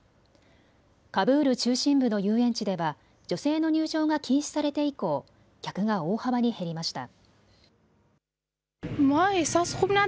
カブール中心部の遊園地では女性の入場が禁止されて以降、客が大幅に減りました。